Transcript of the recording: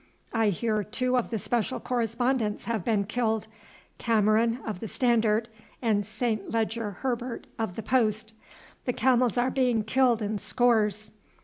I hear two of the special correspondents have been killed, Cameron of the Standard and St. Leger Herbert of the Post. The camels are being killed in scores.